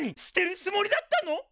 捨てるつもりだったの！？